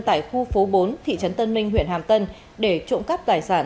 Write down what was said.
tại khu phố bốn thị trấn tân minh huyện hàm tân để trộm cắp tài sản